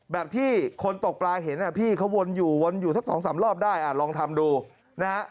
แบบที่คนตกปลาเห็นพี่เขาวนอยู่วนอยู่สักสองสามรอบได้ลองทำดูนะฮะ